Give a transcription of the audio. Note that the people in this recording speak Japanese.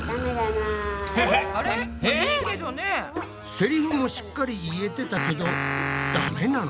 セリフもしっかり言えてたけどダメなの？